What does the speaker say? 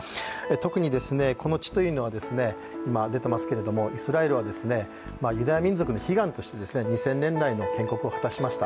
特にこの地はイスラエルはユダヤ民族の悲願として２０００年来の建国を果たしました。